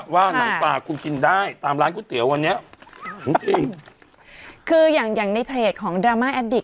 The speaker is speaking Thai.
ว่าหนังปลาคุณกินได้ตามร้านก๋วยเตี๋ยววันนี้จริงคืออย่างอย่างในเพจของดราม่าแอดดิก